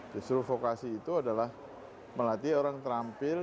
justru vokasi itu adalah melatih orang terampil